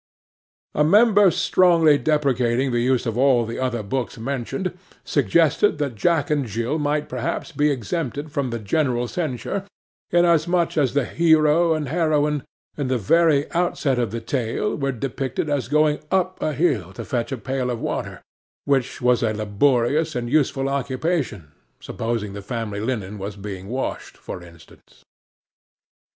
'A Member strongly deprecating the use of all the other books mentioned, suggested that Jack and Jill might perhaps be exempted from the general censure, inasmuch as the hero and heroine, in the very outset of the tale, were depicted as going up a hill to fetch a pail of water, which was a laborious and useful occupation,—supposing the family linen was being washed, for instance.